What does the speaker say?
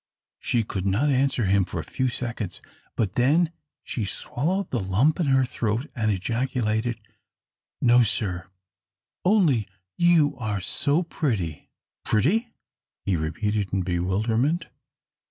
She could not answer him for a few seconds, but then she swallowed the lump in her throat and ejaculated, "No, sir, only you are so pretty." "Pretty!" he repeated, in bewilderment.